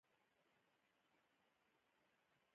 • د کلي مشران د جرګې لپاره حلقه کښېناستل.